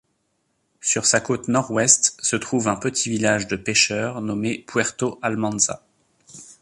Sur sa côte nord-ouest se trouve un petit village de pêcheurs nommé Puerto Almanza.